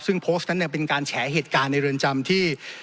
ซึ่งโพสต์นั้นเป็นการแฉเหตุการณ์ในเรือนจำที่